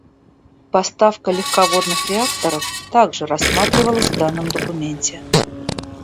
Поставка легководных реакторов также рассматривалась в данном документе.